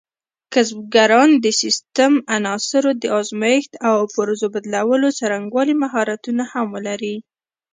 کسبګران د سیسټم عناصرو د ازمېښت او پرزو بدلولو څرنګوالي مهارتونه هم ولري.